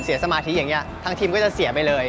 สมาธิอย่างนี้ทางทีมก็จะเสียไปเลย